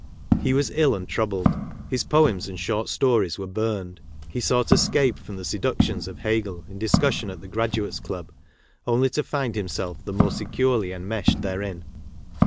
He was ill and troubled. His poems^and short stories were burned; he sought escape from the seductions of Hegel in discussion at the Graduates' Club, only to find himself the more securely enmeshed therein.